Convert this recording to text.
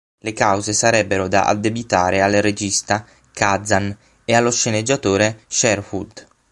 Le cause sarebbero da addebitare al regista Kazan e allo sceneggiatore Sherwood.